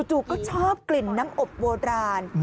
จู่ก็ชอบกลิ่นน้ำอบโบราณ